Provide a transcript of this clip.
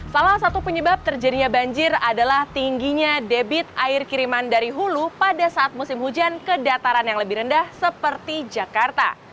salah satu penyebab terjadinya banjir adalah tingginya debit air kiriman dari hulu pada saat musim hujan ke dataran yang lebih rendah seperti jakarta